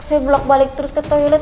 saya blok balik terus ke toilet